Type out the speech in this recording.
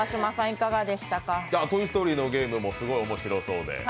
「トイ・ストーリー」のゲームもすごい面白そうで。